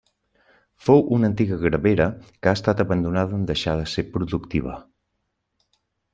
Fou una antiga gravera que ha estat abandonada en deixar de ser productiva.